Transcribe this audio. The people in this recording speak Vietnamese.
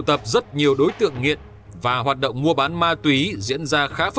tam giác triệu thơ bảo đã được hình thành